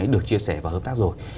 được chia sẻ và hợp tác rồi